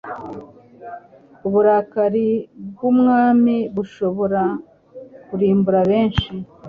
Uburakari bw’umwami bushobora kurimbura benshi